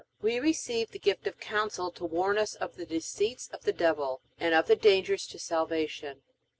We receive the gift of Counsel to warn us of the deceits of the devil, and of the dangers to salvation.